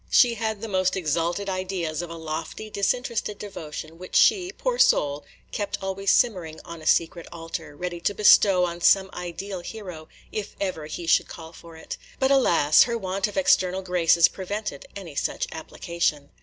She had the most exalted ideas of a lofty, disinterested devotion, which she, poor soul! kept always simmering on a secret altar, ready to bestow on some ideal hero, if ever he should call for it. But, alas! her want of external graces prevented any such application.